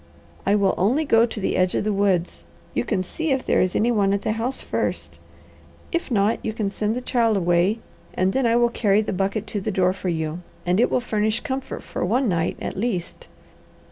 "I will only go to the edge of the woods. You can see if there is any one at the house first. If not, you can send the child away, and then I will carry the bucket to the door for you, and it will furnish comfort for one night, at least."